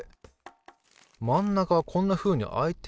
真ん中はこんなふうに開いてんだな。